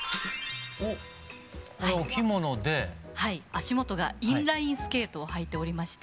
足元がインラインスケートを履いておりまして。